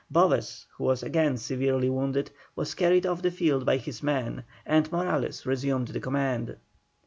Boves, who was again severely wounded, was carried off the field by his men, and Morales resumed the command.